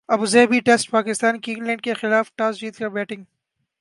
Abu Dhabi ٹیسٹپاکستان کی England کیخلاف toss جیت کر بیٹنگ